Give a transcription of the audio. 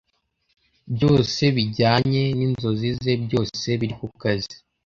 Byose bijyanye ninzozi ze byose biri kukazi